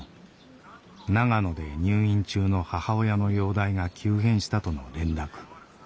長野で入院中の母親の容体が急変したとの連絡。